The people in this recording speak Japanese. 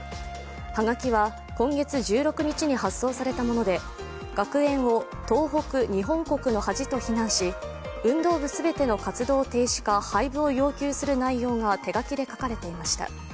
はがきは、今月１６日に発送されたもので学園を「東北・日本国の恥」と非難し運動部全ての活動停止か廃部を要求する内容が手書きで書かれていました。